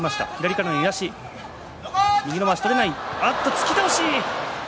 突き倒し。